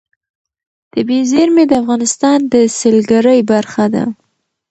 طبیعي زیرمې د افغانستان د سیلګرۍ برخه ده.